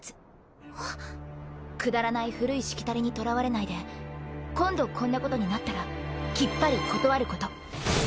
くだらない古いしきたりにとらわれないで今度こんなことになったらきっぱり断ること。